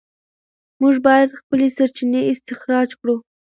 موږ باید خپلې سرچینې استخراج کړو.